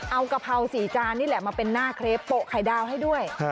เอากะเพรา๔จานนี่แหละมาเป็นหน้าเครปโปะไข่ดาวให้ด้วย